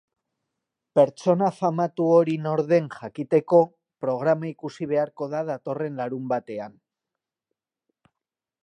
Pertsona famatu hori nor den jakiteko programa ikusi beharko da datorren larunbatean.